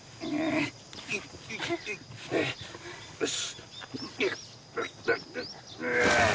よし！